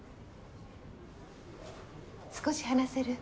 少し話せる？